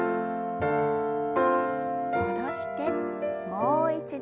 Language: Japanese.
戻してもう一度。